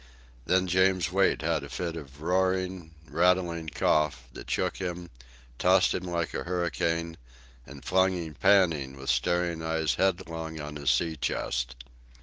Then James Wait had a fit of roaring, rattling cough, that shook him, tossed him like a hurricane, and flung him panting with staring eyes headlong on his sea chest.